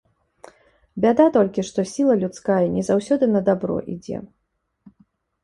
Бяда толькі, што сіла людская не заўсёды на дабро ідзе.